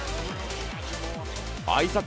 あいさつ